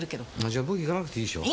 じゃあ僕行かなくていいでしょ。